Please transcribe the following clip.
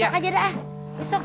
besok aja dah ah besok